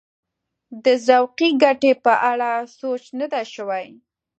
د ذوقي ګټې په اړه سوچ نه دی شوی.